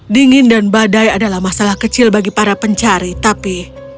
dingin dan badai adalah masalah kecil bagi para pencari tapi